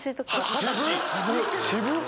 渋っ！